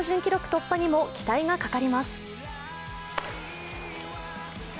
突破にも期待がかかります。